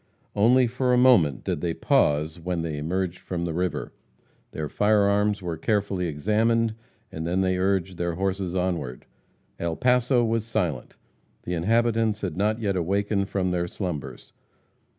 Only for a moment did they pause when they emerged from the river. Their fire arms were carefully examined, and then they urged their horses onward. El Paso was silent. The inhabitants had not yet awakened from their slumbers.